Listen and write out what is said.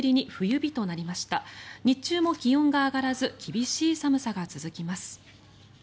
日中も気温が上がらず厳しい寒さが続きます。